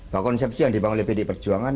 bahwa konsepsi yang dibangun oleh pdi perjuangan